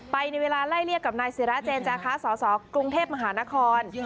ในเวลาไล่เรียกกับนายศิราเจนจาคะสสกรุงเทพมหานคร